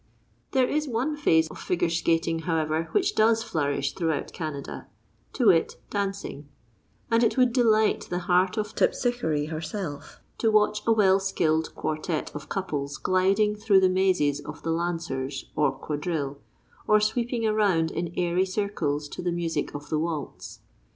There is one phase of figure skating, however, which does flourish throughout Canada—to wit, dancing; and it would delight the heart of Terpsichore herself to watch a well skilled quartette of couples gliding through the mazes of the lancers or quadrille, or sweeping round in airy circles to the music of the waltz.